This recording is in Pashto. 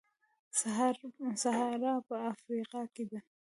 سهارا په افریقا کې ده.